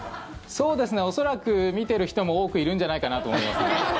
恐らく、見ている人も多くいるんじゃないかなと思いますね。